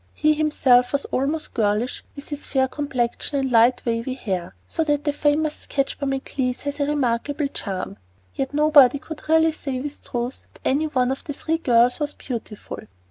He himself was almost girlish, with his fair complexion and light, wavy hair, so that the famous sketch by Maclise has a remarkable charm; yet nobody could really say with truth that any one of the three girls was beautiful.